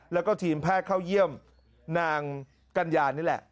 แล้วก็ทีมแพทย์เข้าเยี่ยมนางกัญญานี่แหละ